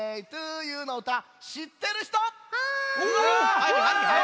はいはいはい。